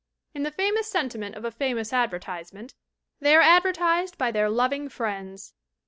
In the famous sentiment of a famous advertisement, they are advertised by their loving friends.